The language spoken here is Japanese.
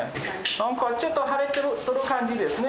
何かちょっと腫れてる感じですね。